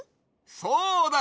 そうだ！